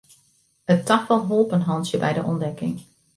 It tafal holp in hantsje by de ûntdekking.